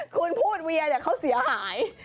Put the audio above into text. คุณพูดเวียเขาเสียหาย